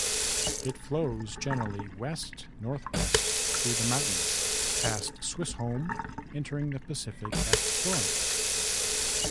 It flows generally west-northwest through the mountains, past Swisshome, entering the Pacific at Florence.